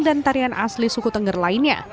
dan tarian asli suku tengger lainnya